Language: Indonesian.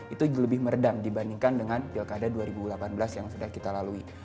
itu lebih meredam dibandingkan dengan pilkada dua ribu delapan belas yang sudah kita lalui